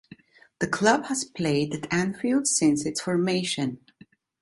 The club has played at Anfield since its formation.